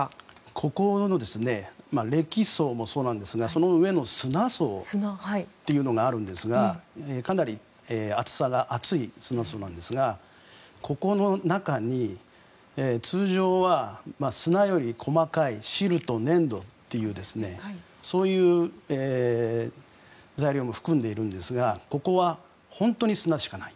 ここの礫層もそうですがその上の砂層というのがあるんですがかなり厚さが厚い砂層なんですがここの中に通常は砂より細かいシルト、粘土というそういう材料も含んでいるんですがここは砂しかない。